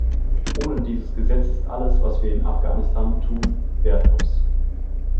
Ohne dieses Gesetz ist alles, was wir in Afghanistan tun, wertlos.